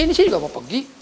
ini saya juga mau pergi